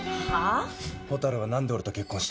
蛍は、何で俺と結婚した？